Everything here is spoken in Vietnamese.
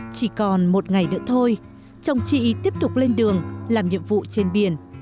chỉ còn một ngày nữa thôi chồng chị tiếp tục lên đường làm nhiệm vụ trên biển